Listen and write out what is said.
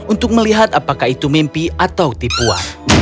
untuk melihat apakah itu mimpi atau tipuan